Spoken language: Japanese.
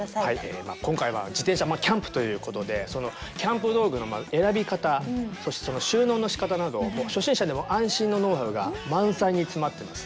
今回は「自転車キャンプ」ということでそのキャンプ道具の選び方そしてその収納のしかたなど初心者でも安心のノウハウが満載に詰まってます。